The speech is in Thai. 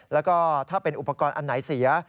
แล้วก็ถ้าเป็นอุปกรณ์อันไหนเสีย